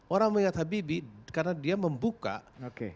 orang mengingat habibie karena dia membuka pintu kebebasan